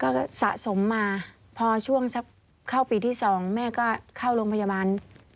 ก็สะสมมาพอช่วงสักเข้าปีที่๒แม่ก็เข้าโรงพยาบาล